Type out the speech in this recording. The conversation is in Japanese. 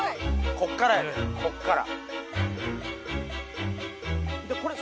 こっからやでこっから。